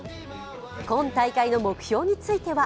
今大会の目標については